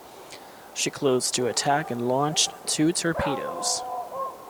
She closed to attack and launched two torpedoes.